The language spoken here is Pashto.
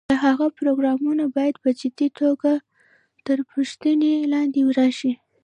د هغه پروګرامونه باید په جدي توګه تر پوښتنې لاندې راشي.